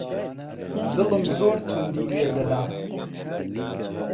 دڵم زۆر توندی لێ دەدا